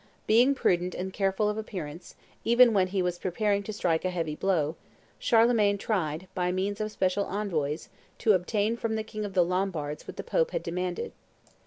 Being prudent and careful of appearances, even when he was preparing to strike a heavy blow, Charlemagne tried, by means of special envoys, to obtain from the king of the Lombards what the Pope demanded.